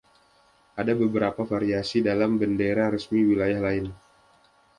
Ada beberapa variasi dalam bendera resmi wilayah lain.